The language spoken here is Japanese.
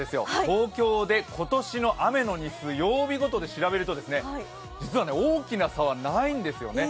東京で雨の日数、曜日ごとで調べると実は大きな差はないんですよね。